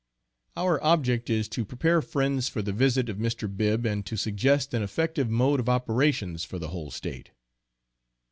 Our object is to prepare friends for the visit of Mr. Bibb, and to suggest an effective mode of operations for the whole State.